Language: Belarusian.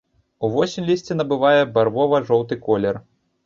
Увосень лісце набывае барвова-жоўты колер.